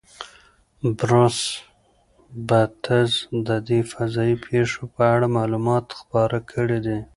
بروس بتز د دې فضایي پیښو په اړه معلومات خپاره کړي دي.